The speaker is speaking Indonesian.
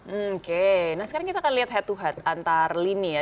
oke nah sekarang kita akan lihat head to head antar lini ya